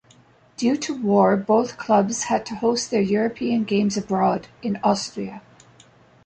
Due to war both clubs had to host their European games abroad, in Austria.